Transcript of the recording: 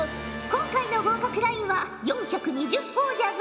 今回の合格ラインは４２０ほぉじゃぞ。